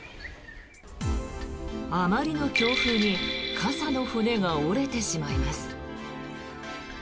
あまりの強風に傘の骨が折れてしまいます。